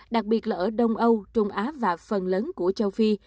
đặc biệt là ở đông âu trung á và phần lớn của châu phi